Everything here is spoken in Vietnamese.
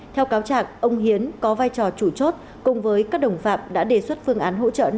theo cáo trạng ông hiến có vai trò chủ chốt cùng với các đồng phạm đã đề xuất phương án hỗ trợ